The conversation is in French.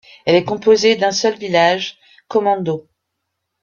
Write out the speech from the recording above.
Elle est composée d'un seul village, Comandău.